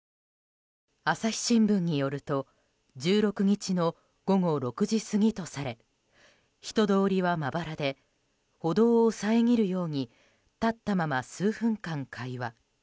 朝日新聞によると１６日の午後６時過ぎとされ人通りはまばらで歩道を遮るように立ったまま数分間会話。